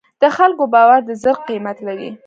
د خلکو باور د زر قیمت لري.